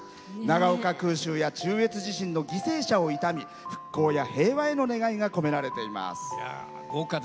長岡空襲や中越地震の犠牲者を悼み復興や平和への願いが込められています。